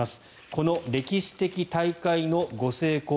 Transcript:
この歴史的大会のご成功